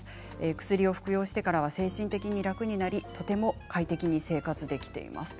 薬を服用してからは精神的に楽になり、とても快適に生活できています。